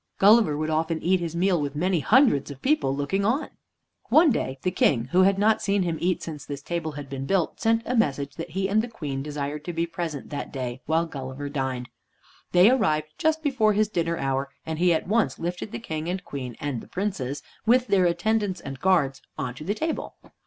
Gulliver would often eat his meal with many hundreds of people looking on. One day the King, who had not seen him eat since this table had been built, sent a message that he and the Queen desired to be present that day while Gulliver dined. They arrived just before his dinner hour, and he at once lifted the King and Queen and the Princes, with their attendants and guards, on to the table.